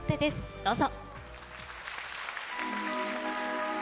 どうぞ。